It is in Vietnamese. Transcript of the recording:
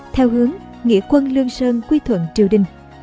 theo hướng nghĩa quân lương sơn quy thuận triều đình